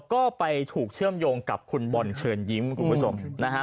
ก็ไปถูกเชื่อมโยงกับคุณบอลเชิญยิ้มคุณผู้ชมนะฮะ